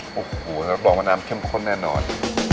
โอ้โหรับรองว่าน้ำเข้มข้นแน่นอน